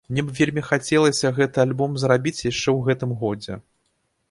Мне б вельмі хацелася гэты альбом зрабіць яшчэ ў гэтым годзе.